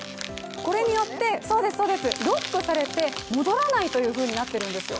これによって、ロックされて戻らないというふうになってるんですよ。